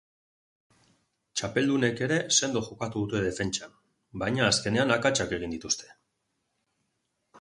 Txapeldunek ere sendo jokatu dute defentsan, baina azkenean akatsak egin dituzte.